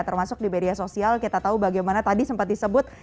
termasuk di media sosial kita tahu bagaimana tadi sempat disebut